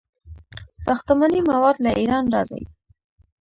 ساختماني مواد له ایران راځي.